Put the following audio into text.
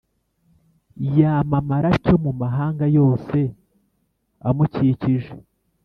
yamamara atyo mu mahanga yose amukikije